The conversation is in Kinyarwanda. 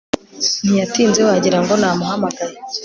Ntiyatinze wagira ngo namuhamagaye